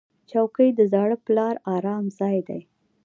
چوکۍ د زاړه پلار ارام ځای دی.